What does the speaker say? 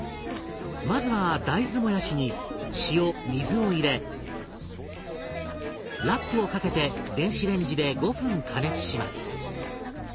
まずは大豆もやしに塩水を入れラップをかけて電子レンジで５分加熱します。